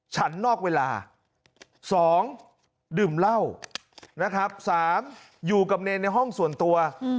ฉันนอกเวลา๒ดื่มเหล้านะครับ๓อยู่กับเนรในห้องส่วนตัว